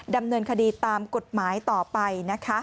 ดำเนินคดีตามกฎหมายต่อไปนะคะ